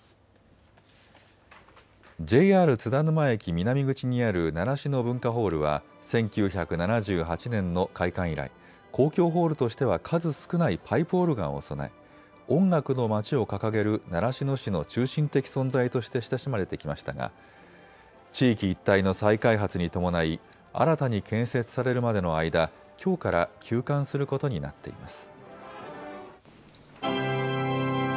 ＪＲ津田沼駅南口にある習志野文化ホールは１９７８年の開館以来、公共ホールとしては数少ないパイプオルガンを備え音楽のまちを掲げる習志野市の中心的存在として親しまれてきましたが地域一帯の再開発に伴い新たに建設されるまでの間、きょうから休館することになっています。